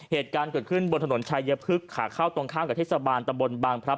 เหตุการณ์เกิดขึ้นบนถนนชายพฤกษาเข้าตรงข้ามกับเทศบาลตะบนบางพระ